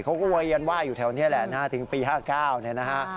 เค้าก็เวยนว่าอยู่แถวนี้แหละนะฮะถึงปีห้าเก้าเนี่ยนะฮะ